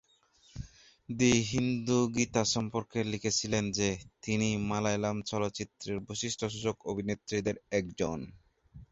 The Hindu Gita সম্পর্কে লিখেছিল যে, তিনি "মালয়ালম চলচ্চিত্রের বৈশিষ্ট্যসূচক অভিনেত্রীদের একজন"।